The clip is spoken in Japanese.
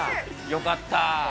よかった。